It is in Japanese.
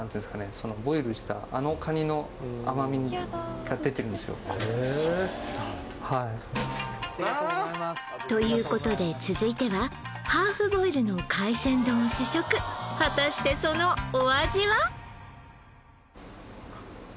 そうなんだということで続いてはハーフボイルの海鮮丼を試食果たしてそのお味は？